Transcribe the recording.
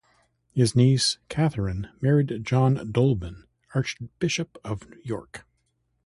His niece, Catherine, married John Dolben, Archbishop of York.